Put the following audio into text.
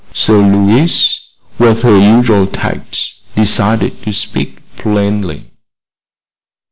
So Louise, with her usual tact, decided to speak plainly.